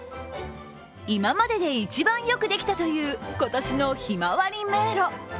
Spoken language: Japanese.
今までで一番よくできたという今年のひまわり迷路。